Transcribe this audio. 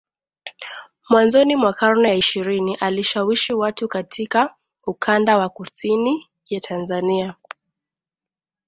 Mwanzoni mwa karne ya ishirini aliwashawishi watu katika Ukanda wa Kusini ya Tanzania